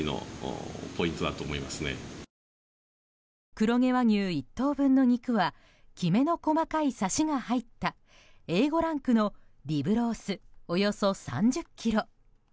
黒毛和牛１頭分の肉はきめの細かいサシが入ったＡ５ランクのリブロースおよそ３０ｋｇ。